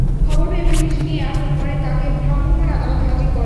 খবর পেয়ে পুলিশ গিয়ে আটক করে তাঁকে ভ্রাম্যমাণ আদালতে হাজির করে।